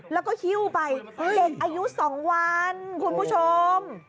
แล้วก็หิ้วไปเด็กอายุ๒วันคุณผู้ชม